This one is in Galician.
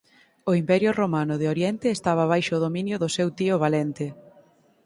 O Imperio Romano de Oriente estaba baixo o dominio do seu tío Valente.